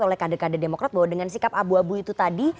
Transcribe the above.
oleh kader kader demokrat bahwa dengan sikap abu abu itu tadi